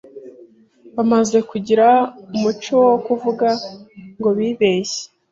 bamaze kugira umuco wo kuvuga ngo bibeshye.